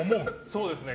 そうですね。